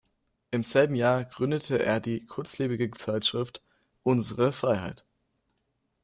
Im selben Jahr gründete er die kurzlebige Zeitschrift "Unsere Freiheit".